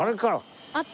あった？